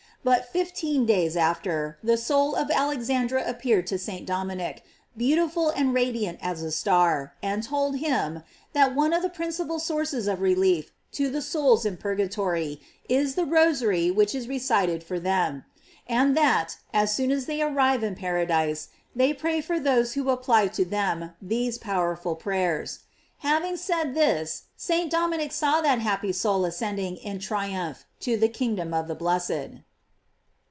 But fifteen days after, the soul of Alexandra appeared to St. Dominic, beautiful and radiant as a star, and told him, that one of the principal sources of relief to the souls in pur gatory is the rosary which is recited for them; and that, as soon as they arrive in paradise, they pray for those who apply to them these power ful prayers. Having said this, St. Dominic saw that happy soul ascending in triumph to the kingdom of the blessed.